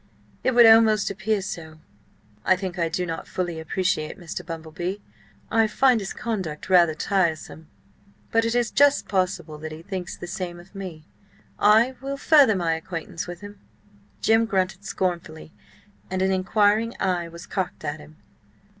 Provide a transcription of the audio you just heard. It would almost appear so. I think I do not fully appreciate Mr. Bumble Bee. I find his conduct rather tiresome. But it is just possible that he thinks the same of me. I will further my acquaintance with him." Jim grunted scornfully, and an inquiring eye was cocked at him.